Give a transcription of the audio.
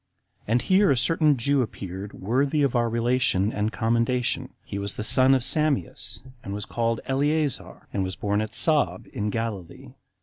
And here a certain Jew appeared worthy of our relation and commendation; he was the son of Sameas, and was called Eleazar, and was born at Saab, in Galilee.